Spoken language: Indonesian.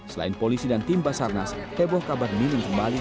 selain polisi dan tim basarnas heboh kabar minim kembali